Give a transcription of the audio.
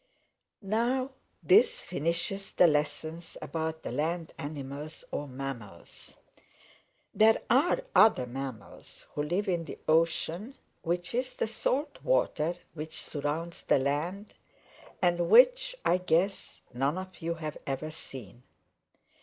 "Now this finishes the lessons about the land animals or mammals. There are other mammals who live in the ocean, which is the salt water which surrounds the land, and which, I guess, none of you have ever seen.